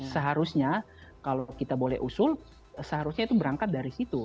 seharusnya kalau kita boleh usul seharusnya itu berangkat dari situ